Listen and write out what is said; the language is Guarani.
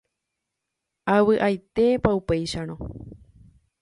Avy'aitépa upéicharõ